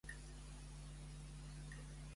Maria de la Cabeça.